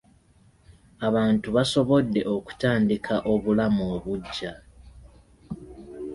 Abantu basobodde okutandika obulamu obuggya.